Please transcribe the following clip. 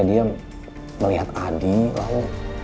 dia melihat adi lalu